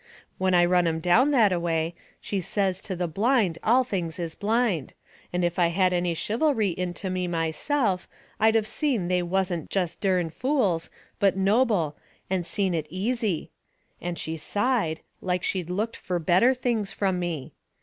When I run 'em down that a way, she says to the blind all things is blind, and if I had any chivalry into me myself I'd of seen they wasn't jest dern fools, but noble, and seen it easy. And she sighed, like she'd looked fur better things from me.